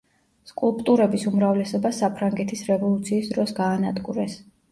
სკულპტურების უმრავლესობა საფრანგეთის რევოლუციის დროს გაანადგურეს.